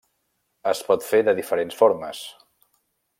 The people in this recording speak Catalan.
Es pot fer de diferents formes.